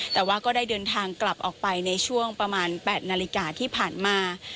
แต่ว่าก็ได้เดินทางกลับออกไปในช่วงประมาณ๘นาฬิกาที่ผ่านมา